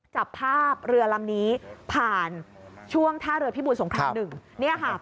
จับภาพเรือลำนี้ผ่านช่วงท่าเรือพี่บุญสงคราม๑